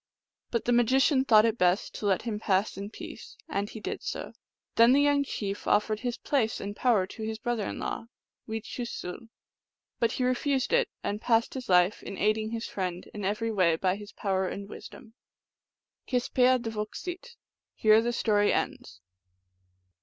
But the magician thought it best to let him pass in peace ; and he did so. Then the young chief offered his place and power to his brother in law (wechoosul) ; but he refused it, and passed his life in aiding his friend in every way by his power and wisdom. Kespeahdvoksit (here the story ends).